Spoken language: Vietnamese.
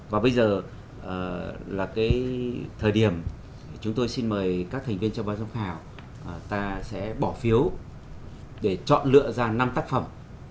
và bây giờ là cái thời điểm chúng tôi xin mời các thành viên trong ban giám khảo ta sẽ bỏ phiếu để chọn lựa ra năm tác phẩm